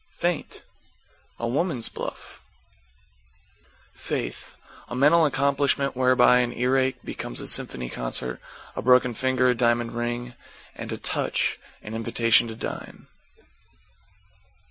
=FAINT= A woman's bluff. =FAITH= A mental accomplishment whereby an ear ache becomes a Symphony Concert, a broken finger a diamond ring and a "touch" an invitation to dine.